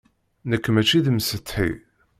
Nekk maci d imsetḥi.